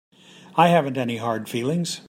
I haven't any hard feelings.